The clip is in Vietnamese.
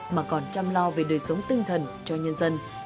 mà còn chăm lo về đời sống tinh thần cho nhân dân